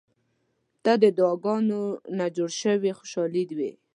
• ته د دعاګانو نه جوړه شوې خوشالي یې.